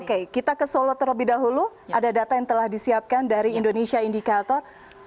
oke kita ke solo terlebih dahulu ada data yang telah disiapkan dari indonesia indicator